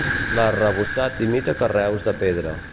L'arrebossat imita carreus de pedra.